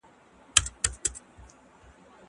زه مخکي سندري اورېدلي وې!!